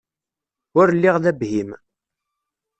Ur lliɣ d abhim.